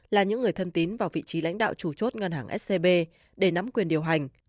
là những người thân tín vào vị trí lãnh đạo chủ chốt ngân hàng scb để nắm quyền điều hành